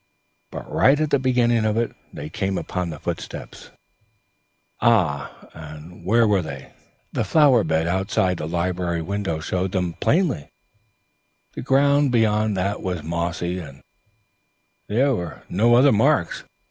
But right at the beginning of it, they came upon the footsteps." "Ah, where were they?" "The flower bed outside the library window showed them plainly; the ground beyond that was mossy, and there were no other marks.